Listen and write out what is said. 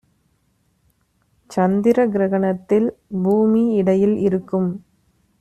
சந்திரகிரகணத்தில் பூமி இடையில் இருக்கும்